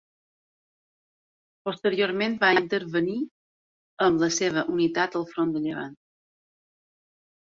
Posteriorment va intervenir amb la seva unitat al front de Llevant.